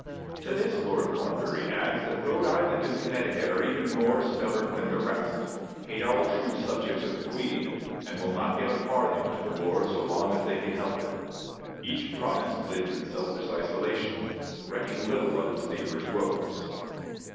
To this Lord Cornbury adds that Rhode Island and Connecticut are even more stubborn than the rest, hate all true subjects of the Queen, and will not give a farthing to the war so long as they can help it. Each province lived in selfish isolation, recking little of its neighbor's woes.